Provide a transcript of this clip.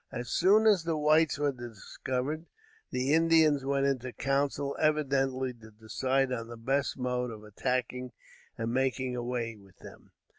As soon as the whites were discovered, the Indians went into council evidently to decide on the best mode of attacking and making away with them.